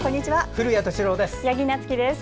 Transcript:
古谷敏郎です。